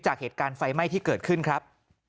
จากเหตุการณ์ไฟไหม้ที่เกิดขึ้นครับ